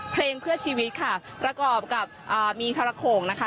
เพลงเพื่อชีวิตค่ะประกอบกับมีทรโขงนะคะ